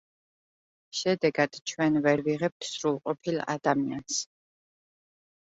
შედეგად, ჩვენ ვერ ვიღებთ სრულყოფილ ადამიანს.